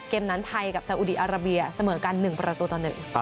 เกมนั้นไทยกับซาอุดีอาราเบียเสมอกัน๑ประตูต่อ๑